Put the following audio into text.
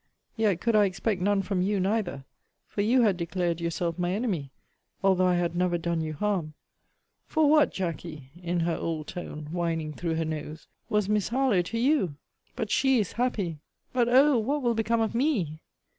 Yet could I expect none from you neither; for you had declared yourself my enemy, although I had never done you harm; for what, Jackey, in her old tone, whining through her nose, was Miss Harlowe to you? But she is happy! But oh! what will become of me?